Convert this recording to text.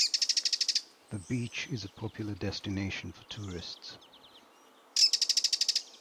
The beach is a popular destination for tourists.